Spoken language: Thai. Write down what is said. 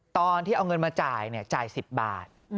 ตอนที่เอาเงินมาจ่ายจ่าย๑๐บาท